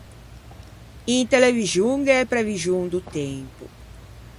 In televixon gh’é e previxon do tempo.